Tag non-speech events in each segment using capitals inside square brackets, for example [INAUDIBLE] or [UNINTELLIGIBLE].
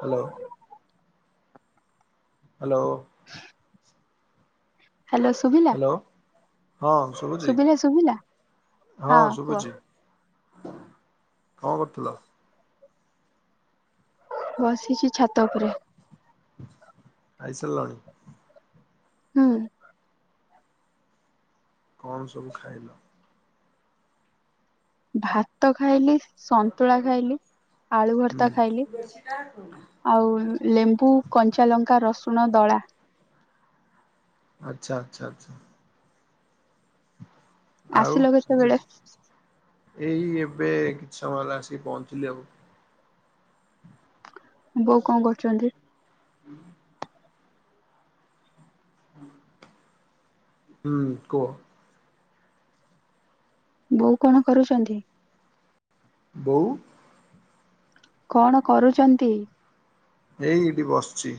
Hello. Hello. Hello ସୁଭିଲା? [INAUDIBLE] ହଁ ଶୁଭୁଜି ଶୁଭିଲା ହଁ ଶୁଭୁଜି। କଣ କରୁଥିଲ? ବସିଛି ଛାତ ଉପରେ। ଖାଇସାରିଲଣି? ହୁଁ। କଣ ସବୁ ଖାଇଲ? ଭାତ ଖାଇଲି ସନ୍ତୁଳା ଖାଇଲି ଆଳୁ ଭର୍ତା ହୁଁ ଖାଇଲି। ଆଉ ଲେମ୍ବୁ କଞ୍ଚା ଲଙ୍କା ରସୁଣ ଦଳା। ଆଚ୍ଛା ଆଚଛା ଆଚ୍ଛା। ଆଉ ଆସିଲ ଆଜି କେତେବେଳେ ଏଇ ଏବେ କିଛି ସମୟ ହେଲା ଆସିକି ପହଞ୍ଚିଲି ଆଉ। ବୋଉ କଣ କରୁଛନ୍ତି? [UNINTELLIGIBLE] ହୁଁ କୁହ। ବୋଉ କଣ କରୁଛନ୍ତି? ବଉ? କଣ କରୁଛନ୍ତି? ଏଇ ଏଇଠି ବସିଛି।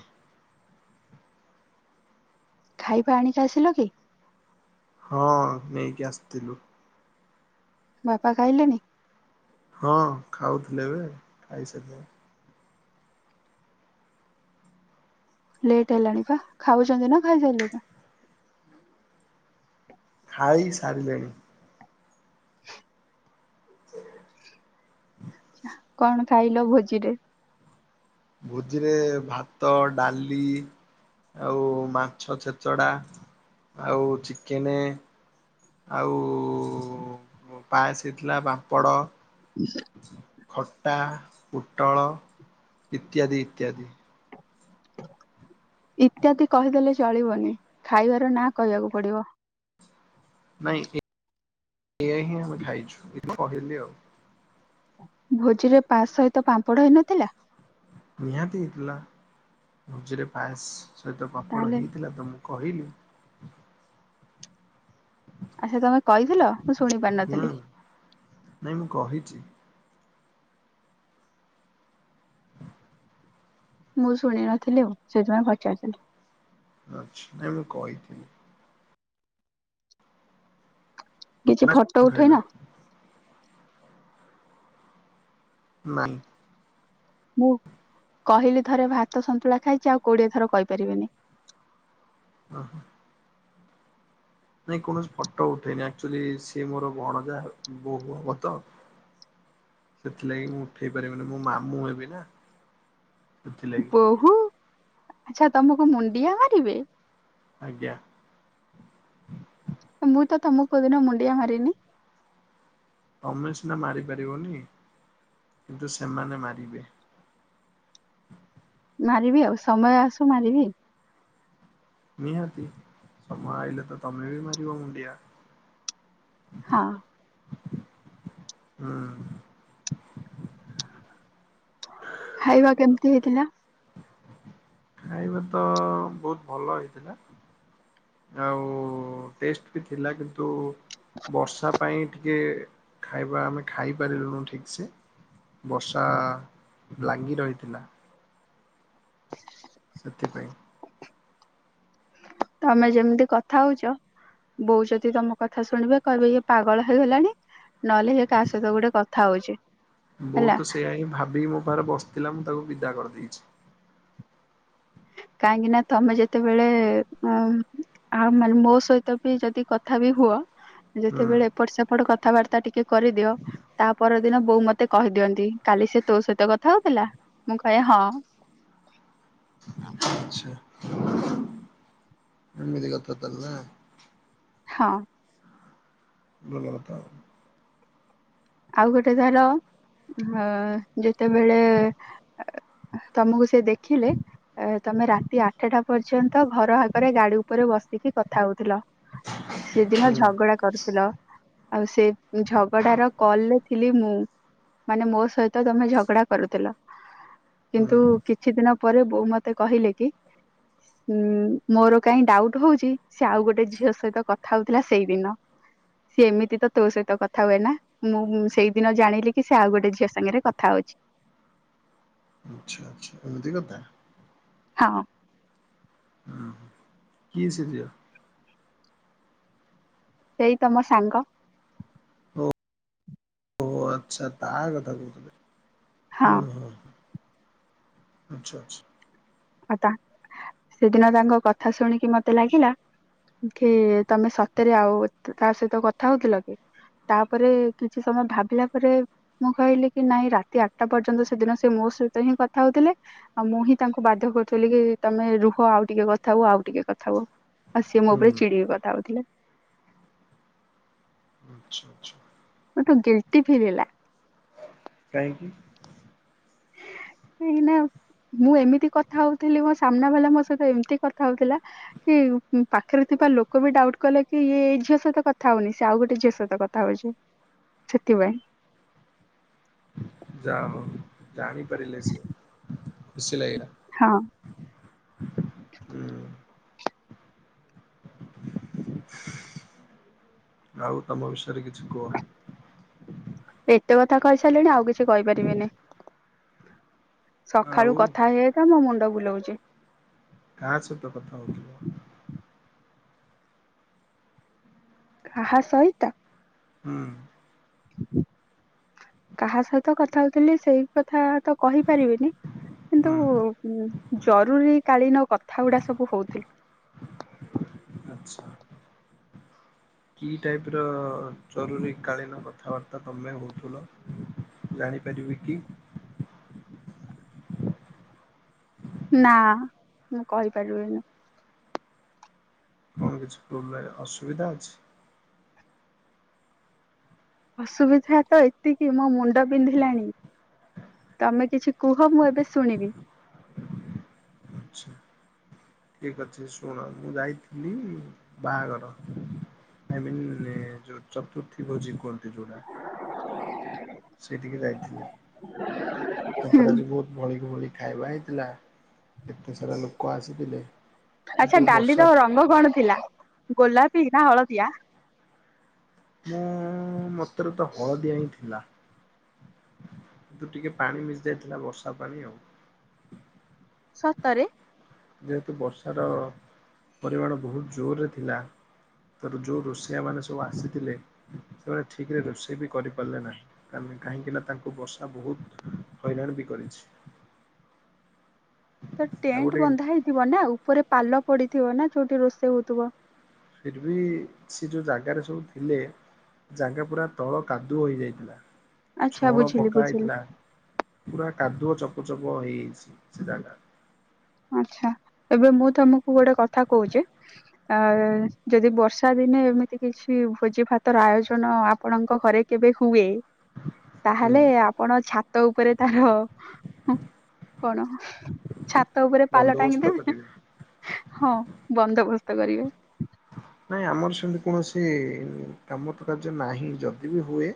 ଖାଇବା ଆଣିକି ଆସିଲ କି? ହଁ ନେଇକି ଆସିଥିଲୁ। ବାପା ଖାଇଲେନି? ହଁ ଖାଉଥିଲେ ଏବେ ଖାଇସାରିଲେଣି। ଲେଟ୍ ହେଲାଣି ବା ଖାଉଛନ୍ତି ନା ଖାଇସାଇଲେଣି? ଖାଇ ସାରିଲେଣି। ହ [UNINTELLIGIBLE] ହ [UNINTELLIGIBLE] କଣ ଖାଇଲ ଭୋଜିରେ? ଭୋଜିରେ ଭାତ ଡାଲି ଆଉ ମାଛ ଛେଚଡା ଆଉ ଚିକେନ୍ ଆଉ ପାାୟସଇଥିଲା ବାମ୍ପଡ଼ ହୁ [UNINTELLIGIBLE] ଖଟା ପୋଟଳ ଇତ୍ୟାଦି ଇତ୍ୟାଦି। ଇତ୍ୟାଦି କହିଦେଲେ ଚଳିବନି ଖାଇବାର ନା କହିବାକୁ ପଡିବ। ନାଇଁ ଏ ଏଇଆ ହିଁ ଆମେ ଖାଇଛୁ ଏଠି କହିଲି ଆଉ। ଭୋଜିରେ ପାସ୍ ସହିତ ପାମ୍ପଡ ହେଇନଥିଲା? ନିହାତି ହେଇଥିଲା ଭେଝିରେ ପାଏସ୍ ସହିତ ପାମ୍ପଡ଼ ତାହେଲେ ହେଇଥିଲା ତ ମୁଁ କହିଲି। ଆ ସେ ତମେ କହିଥିଲ ମୁଁ ଶୁଣି ହୁଁ ପାରିନଥିଲି। ନାଇଁ ମୁଁ କହିଛି। ମୁଁ ଶୁଣି ନଥିଲି ଆଉ ସେଥିପାଇଁ ପଚାରୁଥିଲି ଆଛା ନାଁଇ ମୁଁ କଇଥିଲି। କିଛି ଫଟୋ ଉଠେଇ ଖାଇଲ ନ? ନାଁ [UNINTELLIGIBLE] ମୁଁ କହିଲି ଥରେ ଭାତ ସନ୍ତୁଳା ଖାଇଛି ଆଉ କୋଡିଏ ଥର କହିପାରିବିନି। ଓ ହୋ। ନାଇଁ କୌଣସି ଫଟୋ ଉଠେଇନି ଆକ୍ଚୁଆଲି ସିଏ ମୋର ଭଣଜା ବୋହୂ ହବ ତ ସେଥିଲାଗି ମୁଁ ଉଠେଇ ପାରିବିନି ମୁଁ ମାମୁଁ ହେବି ନା। ସେଥିଲାଗି ବୋହୂ ଆଛା ତମକୁ ମୁଣ୍ଡିଆ ମାରିବେ? ଆଜ୍ଞା। ମୁଁ ତ ତମକୁ କୋଉଦିନ ମୁଣ୍ଡିଆ ମାରିନି? ଅମେ ସିନା ମାରି ପାରିବନି କିନ୍ତୁ ସେମାନେ ମାରିବେ। ମାରିବି ଆଉ ସମୟ ଆସୁ ମାରିବି। ନିହାତି ସମୟ ଆଇଲେ ତ ତମେ ବି ମାରିବ ମୁଣ୍ଡିଆ। ହଁ। ହୁଁ। ଖାଇବା କେମିତି ହେଇଥିଲା? ଖାଇବା ତ ବହୁତ୍ ଭଲ ହେଇଥିଲା। ଆଉ ଟେଷ୍ଟ୍ ବି ଥିଲା କିନ୍ତୁ ବର୍ଷା ପାଇଁ ଟିକେ ଖାଇବା ଆମେ ଖାଇପାରିଲୁନୁ ଠିକ୍ ସେ ବର୍ଷା ଲାଗି ରହିଥିଲା। ସେଥିପାଇଁ ତମେ ଯେମିତି କଥା ହଉଛ ବୋଉ ଯଦି ତମ କଥା ଶୁଣିବେ କହିବେ ଇଏ ପାଗଳ ହେଇଗଲାଣି ନହଲେ କାହା ସହିତ ଗୋଟେ କଥା ହଉଛି ହେଲା। ଁ [INAUDIBLE] ଭାବି ମୋ ପାଖରେ ବ ଥିଲା ମୁଁ ତାକୁ ବିଦା କରିଦେଇଛି। କାହିଁକି ନା ତମେ ଯେତେବେଳେ ଉ ଆଉ ମାନେ ମୋ ସହିତ ବି ଯଦି କଥା ବି ହୁଅ ହୁଁ ଯେତେବେଳେ ଏପଟ ସେପଟ କଥାବାର୍ତ୍ତା ଟିକେ କରିଦିଅ ତା ପରଦିନ ବୋଉ ମତ ମତେ କହିଦିଅନ୍ତି କାଲି ସେ ତୋ ସହିତ କଥା ହଉଥିଲା ମୁଁ କହେ ହଁ। [UNINTELLIGIBLE] ଆଛା ଏମିତି କଥା ତାହେଲେ ନା। ହଁ। ଭଲ କଥା ଆଉ। ଆଉ ଗୋଟେ ଧର ହଁ ଯେତେବେଳେ ତମକୁ ସେ ଦେଖିଲେ ଏ ତମେ ରାତି ଆଠଟା ପର୍ଯ୍ୟନ୍ତ ଘର ଆଗରେ ଗାଡି ଉପରେ ବସିକି କଥା ହଉଥିଲ। ସେଦିନ ହୁଁ ଝଗଡା କରୁଥିଲ ଆଉ ସେ ଝଗଡାର କଲରେ ଥିଲି ମୁଁ ମାନେ ମୋ ସହିତ ତମେ ଝଗଡା କରୁଥିଲ। ହୁଁ କିନ୍ତୁ କିଛି ଦିନ ପରେ ବୋଉ ମତେ କହିଲେ କି ଉଁ ମୋର କାଇଁ ଡାଉଟ୍ ହଉଚି ସେ ଆଉ ଗୋଟେ ଝିଅ ସହିତ କଥା ହଉଥିଲା ସେଇଦିନ। ସିଏ ଏମିତି ତ ତୋ ସହିତ କଥା ହୁଏ ନା। ମୁଁ ସେଇଦିନ ଜାଣିଲି କି ସେ ଆଉ ଗୋଟେ ଝିଅ ସାଙ୍ଗରେ କଥା ହଉଚି। ଆଚ୍ଛା ଆଚ୍ଛା ଏମିତି କଥା। ହଁ। ହଁ କିଏ ସେ ଝିଅ? ସେଇ ତମ ସାଙ୍ଗ। ଓ ଓ ଆଚ୍ଛା ତା କଥା ହଁ କହୁଥିଲେ ଓ ହ। ଆଚ୍ଛା ଆଛା। ଆ ତା ସେଦିନ ତାଙ୍କ କଥା ଶୁଣିକି ମତେ ଲାଗିଲା କି ତମେ ସତରେ ଆଉ ତା ସହିତ କଥା ହଉଥିଲ କି? ତାପରେ କିଛି ସମୟ ଭାବିଲା ପରେ ମୁଁ କହିଲି କି ନାଇଁ ରାତି ଆଠଟା ପର୍ଯ୍ୟନ୍ତ ସେଦିନ ସେ ମୋ ସହିତ ହିଁ କଥା ହଉଥିଲେ ଆଉ ମୁଁ ହିଁ ତାଙ୍କୁ ବାଧ୍ୟ କରୁଥିଲିକି ତମେ ରୁହ ଆଉ ଟିକେ କଥା ହୁଅ ଆଉ ଟିକେ କ ଥା ହୁଅ ଆଉ ସିଏ ମୋ ହୁଁ। ଉପରେ ଚିଡିକି କଥା ହଉଥିଲେ। ଆଚ୍ଛା ଆଚ୍ଛା। ମତେ ଗିଲ୍ଟି ଫିଲ୍ ହେଲା। କାହିଁକି? କାହିଁକି ନା ମୁଁ ଏମିତି କଥା ହଉଥିଲି ମୋ ସାମ୍ନା ବାଲା ମୋ ସହିତ ଏମିତି କଥା ହଉଥିଲା। କି ପାଖରେ ଥିବା ଲୋକ ବି ଡାଉଟ୍ କଲେ କି ଇଏ ଏଇ ଝିଅ ସହିତ କଥା ହଉନି ସେ ଆଉ ଗୋଟେ ଝିଅ ସହିତ କଥା ହଉଚି ସେଥିପାଇଁ। ଯାହା ହଉ ଜାଣିପାରିଲେ ସିଏ ଖୁସି ଲାଗଲା। ହଁ। ହୁଁ ଆଉ ତମ ବିଷୟରେ କିଛି କୁହ। ଏତେ କଥା କହିସାଇଲିଣି ଆଉ କିଛି କହିପାରିବିନି। ଆଉ ସକାଳୁ କଥା ହେଇ ହେଇକା ମୋ ମୁଣ୍ଡ ବୁଲୋଉଚି। କା ସହିତ କଥା ହଉଥିଲ? କାହା ସହିତ? ହୁଁ। କାହା ସହିତ କଥା ହଉଥିଲି ସେଇ କଥା ତ କହିପାରିବିନି କିନ୍ତୁ ହୁଁ ଜରୁରୀ କାଳୀନ କଥା ଗୁଡା ସବୁ ହଉଥିଲୁ। ଆଚ୍ଛା। [UNINTELLIGIBLE] [INAUDIBLE] କି ଟାଇପ ର ଜରୁରୀ କାଳୀନ କଥାବାର୍ତ୍ତା ତମେ ହଉଥିଲ। ଜାଣିପାରିବି କି? ନା ମୁଁ କହିପାରିବିନି। କଣ କିଛି ପ୍ରବ୍ଲେ ଅସୁବିଧା ଅଛି। ଅସୁବିଧା ତ ଏତିକି ମୋ ମୁଣ୍ଡ ବିନ୍ଧିଲାଣି। ତମେ କିଛି କୁହ ମୁଁ ଏବେ ଶୁଣିବି। ଆଛା। ଠିକ ଅଛି ଶୁଣ ମୁଁ ଯାଇଥିଲି ବାହାଘର। ଫ୍ୟାମିଲରେ ଯୋଉ ଚତୁର୍ଥୀ ଭୋଜି କୁହନ୍ତି ଯଉଟା। [UNINTELLIGIBLE] ସେଇଠିକି ଯାଇଥିଲି ହୁଁ, ତାଙ୍କର ଆଜି ବହୁତ ଭଳିିକି ଭଳିିକ ଖାଇବା ହେଇଥିଲା କେତେ ସାରା ଲୋକ ଆସିଥିଲେ। କିନ୍ତୁ ଆଚ୍ଛା ବର୍ଷା ଡାଲିର ରଙ୍ଗ କଣ ଥିଲା ଗୋଲାପୀ ନା ହଳଦିଆ? ମୁଁ ମତରେ ତ ହଳଦିଆ ହିଁ ଥିଲା। କିନ୍ତୁ ଟିକେ ପାଣି ମିଶି ଯାଇଥିଲା ବର୍ଷା ପାଣି ଆଉ। ସତରେ? ଯେହେତୁ ବର୍ଷାର ପରିମାଣ ବହୁତ ଜୋରରେ ଥିଲା ତେଣୁ ଯେଉଁ ରୋଷେଇଆ ମାନେ ସବୁ ଆସିଥିଲେ ସେମାନେ ଠିକରେ ରୋଷେଇ ବି କରିପାରିଲେ ନାହିଁ। କାରଣ କାହିଁକି ନା ତାଙ୍କୁ ବର୍ଷା ବହୁତ ହଇରାଣ ବି କରିଛି। ତ ଆଉ ଟେଣ୍ଟ ଗୋଟେ ବନ୍ଧା ହେଇଥିବ ନା ଉପରେ ପାଲ ପଡିଥିବ ନା ଯୋଉଠି ରୋଷେଇ ହଉଥିବ। ଫିର୍ ବି ସେ ଯଉ ଜାଗାରେ ସବୁ ଥିଲେ ଜାଗା ପୁରା ତଳ କାଦୁଅ ହେଇଯାଇଥିଲା ଆଚ୍ଛା ଛଣ ବୁଝିଲି ପକା ବୁଝିଲି। ହେଇଥିଲା। ପୁରା କାଦୁଅ ଚପ ଚପ ହେଇଯାଇଛି ସେ ଜାଗା ଆଛା ଏବେ ମୁଁ ତମକୁ ଗୋଟେ କଥା କହୁଚି। ଅ ଯଦି ବର୍ଷା ଦିନେ ଏମିତି କିଛି ଭୋଜି ଭାତର ଆୟୋଜନ ଆ ଆପଣଙ୍କ ଘରେ କେବେ ହୁଏ ହୁଁ ତାହେଲେ ଆପଣ ଛାତ ଉପରେ ତାର କଣ ଛାତ ଉପରେ ପାଲ ବନ୍ଦୋବସ୍ତ ଟାଙ୍ଗିଦବେ କରିବେ ହଁ ବନ୍ଦୋବସ୍ତ କରିବେ। ନାଇଁ ଆମର ସେମିତି କୌଣସି କାମ ତ କାର୍ଯ୍ୟ ନାହିଁ ଯଦି ବି ହୁଏ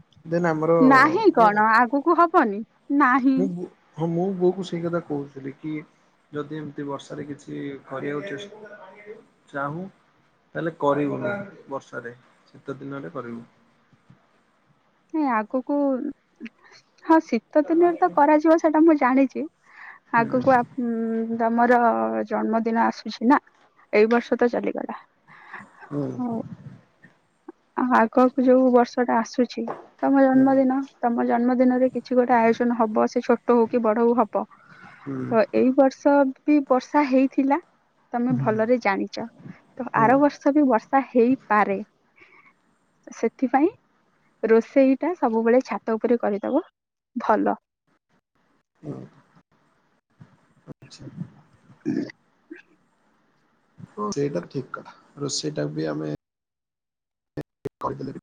ହ [UNINTELLIGIBLE] ଦେନ ଆମର ନାହିଁ ମୁଁ କଣ ଆଗକୁ ହବନି ନାହିଁ। ମୁଁ ହଁ ମୁଁ ବୋଉକୁ ସେଇ କଥା କହୁଥିଲି କି ଯଦି ଏମିତି ବର୍ଷାରେ କିଛି କରିଆକୁ ଚେସ ଚାହୁଁ ତାହେଲେ କରିବୁନି ବର୍ଷାରେ ଶୀତ ଦିନରେ କରିବୁ। ନାଇଁ ଆଗକୁ ହଁ ଶୀତ ଦିନରେ ତ କରାଯିବ ସେଟା ମୁଁ ଜାଣିଚି ହୁଁ ଆଗକୁ ଆପ ହୁଁ ତମର ଜନ୍ମଦିନ ଆସୁଛି ନା ଏଇ ବର୍ଷ ତ ଚାଲିଗଲା। ହୁଁ ହଉ ଆ ଆଗକୁ ଯୋଉ ବର୍ଷ ଟା ଆସୁଛି। ତମ ହୁଁ ଜନ୍ମଦିନ ତମ ଜନ୍ମଦିନରେ କିଛି ଗୋଟେ ଆୟୋଜନ ହବ ସେ ଛୋଟ ହଉ କି ବଡ ହଉ ହ ବ ହୁଁ ତ ଏଇ ବର୍ଷ ବି ବର୍ଷା ହେଇଥିଲା? ତମେ ହୁଁ ଭଲରେ ଜାଣିଚ ତ ହୁଁ ଆର ବର୍ଷ ସବୁ ବର୍ଷା ହେଇପାରେ ସେଥିପାଇଁ ରୋଷେଇ ଟା ସବୁବେଳେ ଛାତ ଉପରେ କରିଦବ ଭଲ। ହୁଁ, ଆଛା। [UNINTELLIGIBLE] ସେଇଟା ଠିକ କଥା, ରୋଷେଇ ଟା ବି ଆମେ କରିଦେଲେ ବି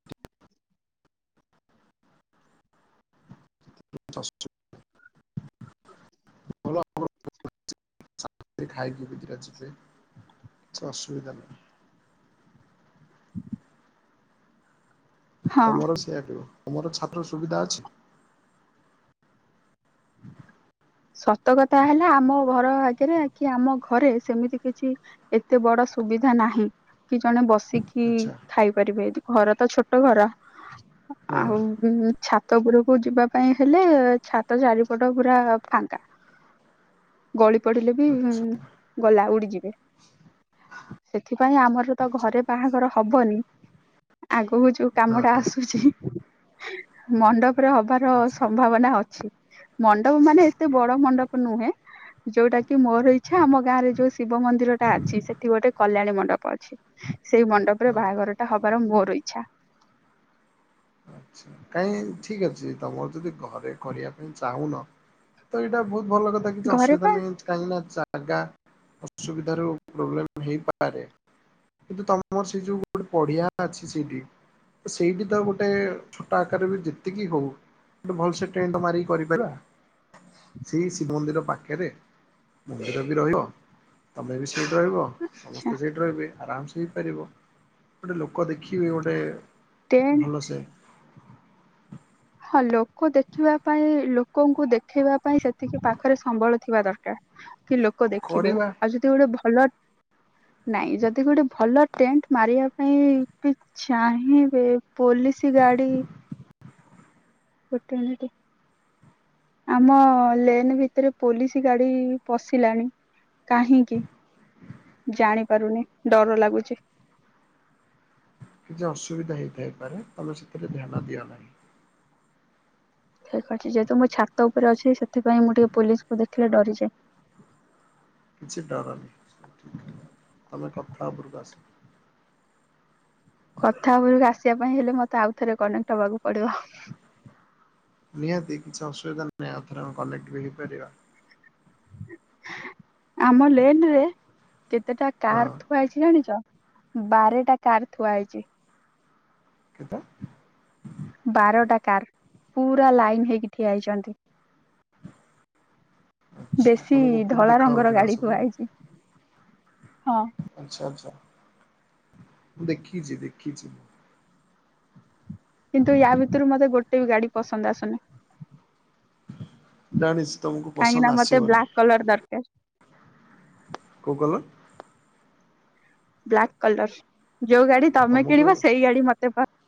[UNINTELLIGIBLE] [UNINTELLIGIBLE] ସମସ୍ତେ ଖାଇପିଇକିନା ଯିବେ, କିଛି ଅସୁବିଧା ନାହିଁ। ହଁ ତମର ସେଇଆ [UNINTELLIGIBLE] ତମର ଛାତରେ ସୁବିଧା ଅଛି? [UNINTELLIGIBLE] ସତ କଥା ହେଲା, ଆମ ଘର ଆଗରେ କି ଆମ ଘରେ, ସେମିତି କିଛି ଏତେ ବଡ ସୁବିଧା ନାହିଁ, କି ଜଣେ ବସିକି ଆଚ୍ଛା ଖାଇପାରିବେ, ଯଦି ଘରତ ଛୋ ଆଟୁ ଘର ହଁ ଆଉ ଉଁ, ଛାତ ଉପରକୁ ଯିବା ପାଇଁ ହେଲେ, ଛାତ ଚାରିପଟ ପୁରା ଫାଙ୍କା, ଗଳି ପଡିଲେ ବି ଆଚ୍ଛା ଗଲା, ଉଡିଯିବେ। ସେଥିପାଇଁ ଆମର ତ ଘରେ ବାହାଘର ହବନି। ଆଗକୁ ଯଉ କାମ ଟା ଆସୁଚି, ମଣ୍ଡପରେ ହବ। ତାର ଆଚ୍ଛା ସମ୍ଭାବନା ଅଛି, ମଣ୍ଡପ ମାନେ ଏତେ ବଡ ମଣ୍ଡପ ନୁହେଁ। ଯୋଉଟା କି ମୋର ଇଛା, ଆମ ଗାଁରେ ଯୋଉ ଶିବ ମନ୍ଦିରଟା ଅଛି, ସେଠି ଗୋଟେ କଲ୍ୟାଣୀ ମଣ୍ଡପ ଅଛି। ସେଇ ମଣ୍ଡପରେ ହଁ ବାହାଘର ଟା ହବାର ମୋର ଇଛା। କାଇଁ ଠିକ ଅଛି, ତମର ଯଦି ଘରେ କରିବା ପାଇଁ ଚାହୁଁନ ତ ଏଇଟା ବହୁତ ଭଲ କଥା, କିଛି ଘରେ ଅସୁବିଧା ବା ନାହିଁ। କାହିଁକି ନା ଜାଗା ଅସୁବିଧା ର ପ୍ରୋବ୍ଲେମ ହେଇପାରେ? କିନ୍ତୁ ତମର ସେ ଯୋଉ ଗୋଟେ ପଡିଆ ଅଛି ସେଇଠି, ସେଇଠି ତ ଗୋଟେ ଛୋଟ ଆକାରରେ ବି ଯେତିକି ହଉ, ଗୋଟେ ଭଲ ସେ ଟେଣ୍ଡେ ମାରିକି କରିଦେବା। ସେଇ ଶିବ ମନ୍ଦିର ପାଖରେ, ମନ୍ଦିର ବି ରହିବ। ତମେ ବି ସେଇଠି ରହିବ, ସମସ୍ତେ ସେଇଠି ରହିବେ, ଆରାମସେ ହୋଇପାରିବ, ଗୋଟେ ଲୋକ ଦେଖିବେ ଗୋଟେ ଟେଣ୍ଟ ଭଲସେ [UNINTELLIGIBLE] ହଁ ଲୋକ ଦେଖିବା ପାଇଁ, ଲୋକଙ୍କୁ ଦେଖେଇବା ପାଇଁ, ସେତିକି ପାଖରେ ସମ୍ବଳ ଥିବା ଦରକାର। କି ଲୋକ ଦେଖିବେ, କରିବା ଆଉ ଯଦି ଗୋଟେ ଭଲ ନାଇଁ ଯଦି ଗୋଟେ ଭଲ ଟେଣ୍ଟ ମାରିବା ପାଇଁ ବି ଚାହିଁବେ ପୋଲିସ ଗାଡି ଗୋଟେ ମିନିଟ ଆମ ଲେନ ଭିତରେ ପୋଲିସ ଗାଡି ପଶିଲାଣି। କାହିଁକି? ଜାଣି ପାରୁନି, ଡର ଲାଗୁଚି। କିଛି ଅସୁବିଧା ହେଇଥାଇପାରେ, ତମେ ସେଥିରେ ଧ୍ୟାନ ଦିଅ ନାହିଁ। ଠିକ ଅଛି, ଯେହେତୁ ମୁଁ ଛାତ ଉପରେ ଅଛି, ସେଥିପାଇଁ ମୁଁ ଟିକେ ପୋଲିସକୁ ଦେଖିଲେ ଡରିଯାଏ। କିଛି ଡରନି, ସବୁ ଠିକ, ତମେ କଥା ଉପରକୁ ଆସ। କଥା ଉପରକୁ ଆସିବା ପାଇଁ ହେଲେ, ମତେ ଆଉ ଥରେ କନେକ୍ଟ ହବାକୁ ପଡିବ। ନିହାତି, କିଛି ଅସୁବିଧା ନାହିଁ, ଆଉ ଥରେ ଆମେ କନେକ୍ଟ ବି ହେଇପାରିବା। ଆମ ଲେନ ରେ, କେତେଟା ହଁ କାର ଥୁଆହେଇଚି ଜାଣିଚ? ବାରଟା କାର ଥୁଆ ହେଇଚି। କେତେ? ବାରଟା କାର୍, ପୁରା ଲାଇନ୍ ହେଇକି ଠିଆହେଇଚନ୍ତି। ଆଚ୍ଛା ବେଶୀ ତମକୁ ଉପରୁ ଧଳା ଦେଖା ହଉଛି ରଙ୍ଗର ନା ଗାଡି ସବୁ ଥୁଆ ହେଇଚି, ହଁ। ଆଛା ଆଛା, ଦେଖିଚି ଦେଖିଚି ମୁଁ। କିନ୍ତୁ ୟା ଭିତରୁ ମତେ ଗୋଟେ ବି ଗାଡି ପସନ୍ଦ ଆସୁନା ଜାଣିଛି ତମକୁ ପସନ୍ଦ କାଇଁକିନା ମତେ ଆସିବନି ବ୍ଲାକ୍ କଲର୍ ଦରକାର କୋଉ କଲର ବ୍ଲାକ୍ କଲର ଯୋଉ ଗାଡି ତମେ ତମକୁ କିଣିବ ସେଇ ଗାଡି ମତେ